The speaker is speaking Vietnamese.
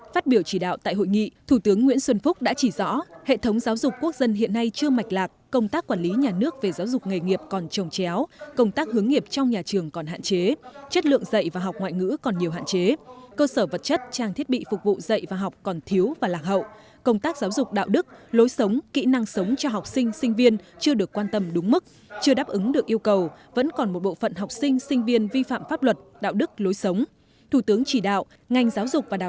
phát biểu chỉ đạo tại hội nghị thủ tướng nguyễn xuân phúc đã chỉ rõ hệ thống giáo dục quốc dân hiện nay chưa mạch lạc công tác quản lý nhà nước về giáo dục nghề nghiệp còn trồng chéo công tác hướng nghiệp trong nhà trường còn hạn chế chất lượng dạy và học ngoại ngữ còn nhiều hạn chế cơ sở vật chất trang thiết bị phục vụ dạy và học còn thiếu và lạc hậu công tác giáo dục đạo đức lối sống kỹ năng sống cho học sinh sinh viên chưa được quan tâm đúng mức chưa đáp ứng được yêu cầu vẫn còn một bộ phận học sinh sinh viên vi phạ